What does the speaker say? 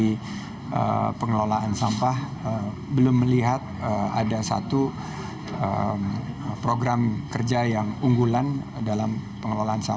ini harus bersama sama pemerintah di dalam menjalankan percepatan pembangunan di lingkungannya